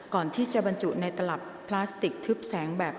ก่อนที่จะบรรจุในตลับพลาสติกทึบแสงแบบ